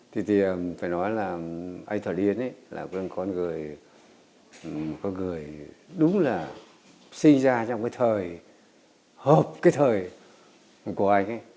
thì phải nói là anh thuận yến là một con người đúng là sinh ra trong cái thời hợp cái thời của anh ấy